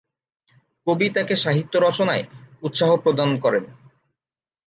কবি তাকে সাহিত্য রচনায় উৎসাহ প্রদান করেন।